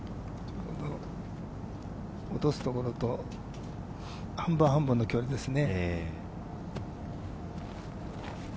落とす所と半分半分の距離ですね。